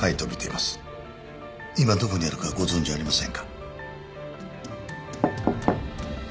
今どこにあるかご存じありませんか？